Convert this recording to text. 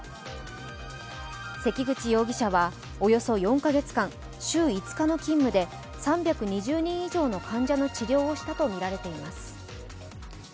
関口容疑者は、およそ４か月間、週５日の勤務で３２０人以上の患者の治療をしたとみられています。